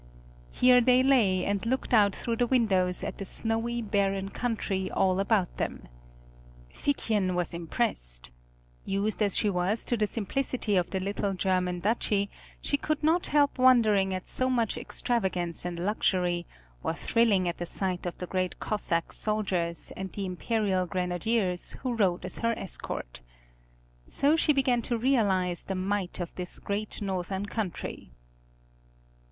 Here they lay and looked out through the windows at the snowy barren country all about them. Figchen was impressed. Used as she was to the simplicity of the little German duchy, she could not help wondering at so much extravagance and luxury, or thrilling at the sight of the great Cossack soldiers and the Imperial grenadiers who rode as her escort. So she began to realize the might of this great northern country.